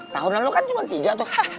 tahun lalu kan cuma tiga tuh